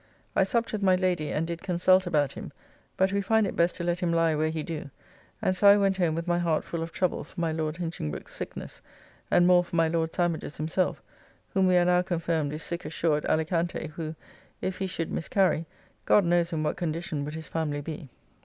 I supped with my Lady, and did consult about him, but we find it best to let him lie where he do; and so I went home with my heart full of trouble for my Lord Hinchinabroke's sickness, and more for my Lord Sandwich's himself, whom we are now confirmed is sick ashore at Alicante, who, if he should miscarry, God knows in what condition would his family be.